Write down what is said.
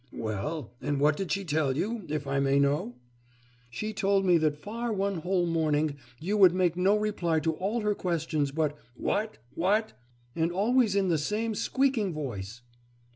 'Well! And what did she tell you, if I may know?' 'She told me that for one whole morning you would make no reply to all her questions but "what? what?" and always in the same squeaking voice.